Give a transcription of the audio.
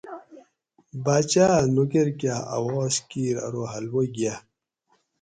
باچاۤ اۤ نوکر کہ اواز کیر ارو حلوہ گیہ